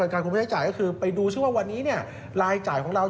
การคุมไปใช้จ่ายก็คือไปดูซิว่าวันนี้รายจ่ายของเรา